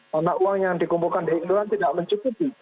karena uang yang dikumpulkan di iruan tidak mencukupi